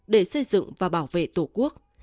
để xây dựng và bảo vệ tổ quốc